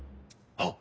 あっ！